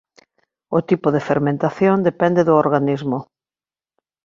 O tipo de fermentación depende do organismo.